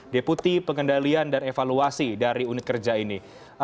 deputi pengendalian dan evaluasi dari unit kerja ini